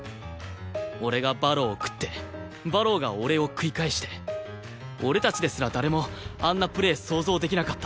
俺が馬狼を喰って馬狼が俺を喰い返して俺たちですら誰もあんなプレー想像できなかった。